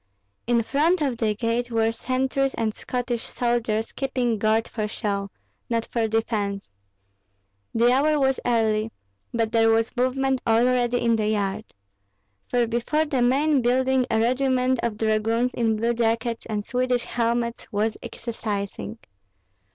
In front of the gate were sentries and Scottish soldiers keeping guard for show, not for defence. The hour was early, but there was movement already in the yard; for before the main building a regiment of dragoons in blue jackets and Swedish helmets was exercising.